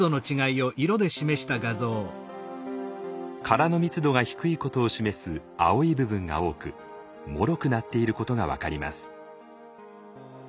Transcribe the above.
殻の密度が低いことを示す青い部分が多くもろくなっていることが分かります。